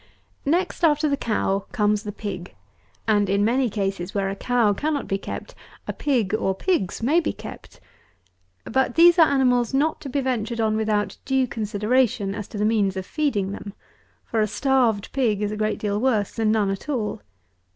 139. Next after the Cow comes the Pig; and, in many cases, where a cow cannot be kept, a pig or pigs may be kept. But these are animals not to be ventured on without due consideration as to the means of feeding them; for a starved pig is a great deal worse than none at all.